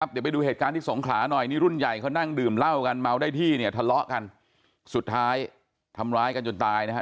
เดี๋ยวไปดูเหตุการณ์ที่สงขลาหน่อยนี่รุ่นใหญ่เขานั่งดื่มเหล้ากันเมาได้ที่เนี่ยทะเลาะกันสุดท้ายทำร้ายกันจนตายนะฮะ